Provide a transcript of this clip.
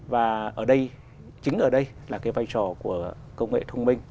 và chính ở đây là vai trò của công nghệ thông minh